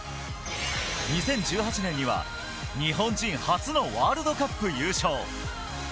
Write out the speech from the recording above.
２０１８年には日本人初のワールドカップ優勝。